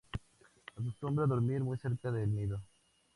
Acostumbra dormir muy cerca del nido.